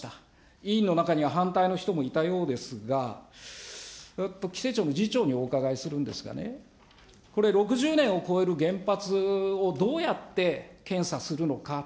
委員の中には反対の人もいたようですが、規制庁の次長にお伺いするんですが、これ、６０年を超える原発をどうやって検査するのかと。